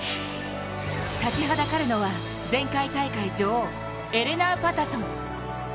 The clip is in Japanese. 立ちはだかるのは、前回大会女王エレナー・パタソン。